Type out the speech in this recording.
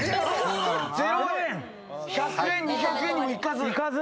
１００円、２００円にも行かず。